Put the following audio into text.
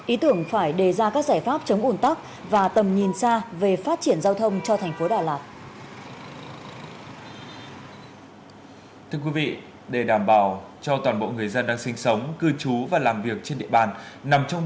ý tưởng phải đề ra các giải pháp chống ủn tắc và tầm nhìn xa về phát triển giao thông cho thành phố đà lạt